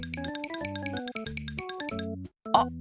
あっ！